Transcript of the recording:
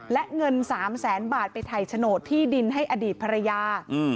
และเงิน๓แสนบาทไปถ่ายโฉนดที่ดินให้อดีตภรรยา